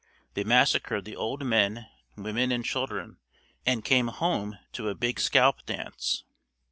They massacred the old men, women and children and came home to a big scalp dance.